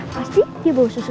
pasti dia bawa susu